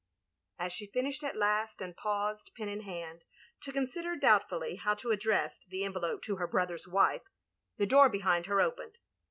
As she finished at last, and paused, pen in hand, to consider doubtfully how to address the en velope to her brother's wife — ^the door behind her opened.